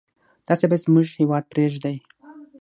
تاسي باید زموږ هیواد پرېږدی.